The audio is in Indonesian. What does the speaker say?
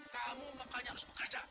kamu makanya harus bekerja